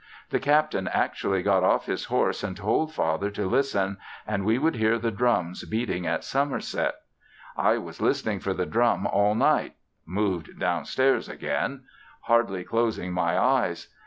The Captain actually got off his horse and told Father to listen and we would hear the drums beating at Somerset. I was listening for the drum all night (moved downstairs again); hardly closing my eyes.